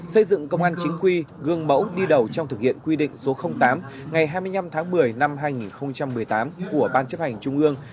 xây dựng công an chính quy gương mẫu đi đầu trong thực hiện quy định số tám ngày hai mươi năm tháng một mươi năm hai nghìn một mươi tám của ban chấp hành trung ương